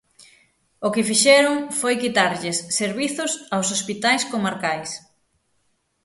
O que fixeron foi quitarlles servizos aos hospitais comarcais.